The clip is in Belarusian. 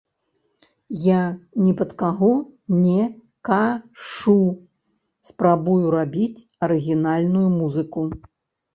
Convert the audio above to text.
Я ні пад каго не кашу, спрабую рабіць арыгінальную музыку.